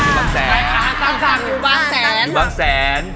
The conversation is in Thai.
ขายอาหารตามสั่งอยู่บ้างแสน